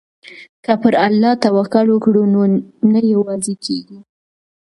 که پر الله توکل وکړو نو نه یوازې کیږو.